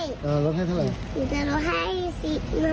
โอ้ได้